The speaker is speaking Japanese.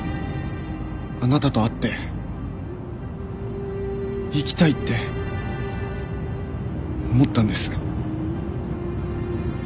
あなたと会って生きたいって思ったんです